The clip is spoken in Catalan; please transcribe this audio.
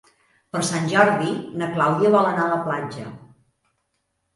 Per Sant Jordi na Clàudia vol anar a la platja.